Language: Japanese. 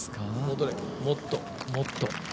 もっと、もっと。